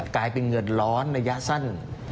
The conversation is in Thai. กลายเป็นเงินร้อนระยะสั้น